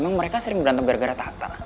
emang mereka sering berantem gara gara tata